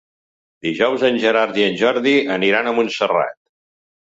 Dijous en Gerard i en Jordi aniran a Montserrat.